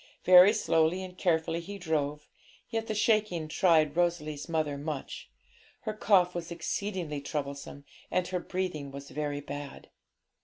Very slowly and carefully he drove, yet the shaking tried Rosalie's mother much. Her cough was exceedingly troublesome, and her breathing was very bad.